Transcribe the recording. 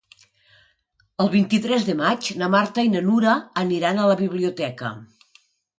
El vint-i-tres de maig na Marta i na Nura aniran a la biblioteca.